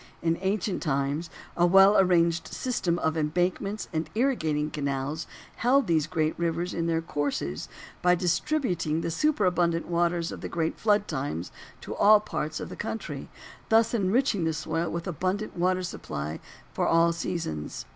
In ancient times, a well arranged system of embankments and irrigating canals held these great rivers in their courses by distributing the superabundant waters of the great flood times to all parts of the country, thus enriching the soil with abundant water supply at all seasons.